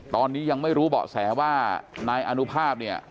ตอนนี้ยังไม่รู้เบาะแสว่านายอนุภาพเนี่ย